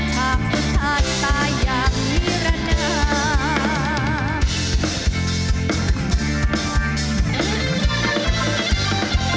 ฉากสุดท้ายตายอย่างนิรนา